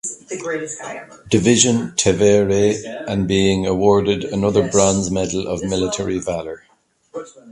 Division "Tevere" and being awarded another bronze medal of military valor.